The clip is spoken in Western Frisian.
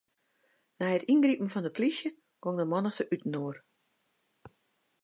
Nei it yngripen fan 'e plysje gong de mannichte útinoar.